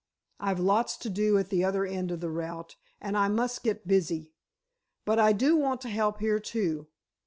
I've lots to do at the other end of the route, and I must get busy. But I do want to help here, too.